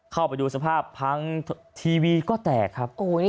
เข้าไปดูสภาพพังทีวีก็แตกครับ